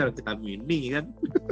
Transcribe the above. kalau kita mini kan